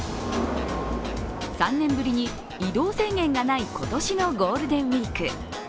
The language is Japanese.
３年ぶりに移動制限がない今年のゴールデンウイーク。